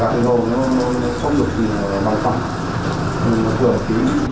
lạc cái đầu nó không được bằng tắc